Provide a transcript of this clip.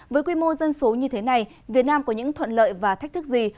với quy mô dân số như thế này việt nam có những thuận lợi và thách thức gì